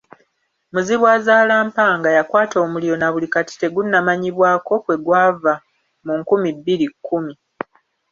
Muzibwazaalampanga yakwata omuliro nabuli kati ogutannamanyibwako kwegwava mu nkumi bbiri kumi.